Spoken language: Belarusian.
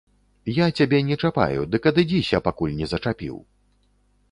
Я цябе не чапаю, дык адыдзіся, пакуль не зачапіў.